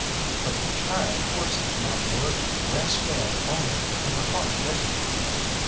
_" "But the child horses, my lord, grass fed only, in the hot desert."